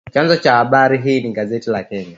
Chanzo cha habari hii ni gazeti la Kenya